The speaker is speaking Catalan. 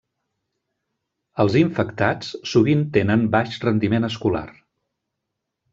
Els infectats sovint tenen baix rendiment escolar.